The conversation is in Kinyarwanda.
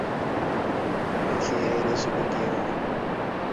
Akihereza ubugingo